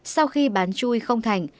sau khi bán chui không thành